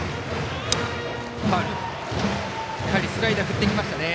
やはりスライダー振ってきましたね。